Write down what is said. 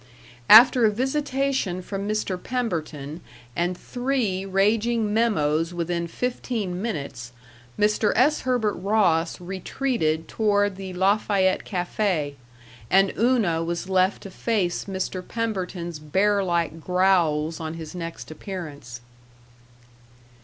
After a visitation from Mr. Pemberton and three raging memoes within fifteen minutes, Mr. S. Herbert Ross retreated toward the Lafayette Café, and Una was left to face Mr. Pemberton's bear like growls on his next appearance.